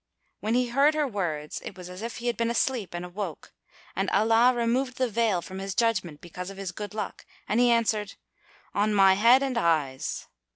When he heard her words, it was if he had been asleep and awoke; and Allah removed the veil from his judgment, because of his good luck, [FN#250] and he answered, "On my head and eyes!"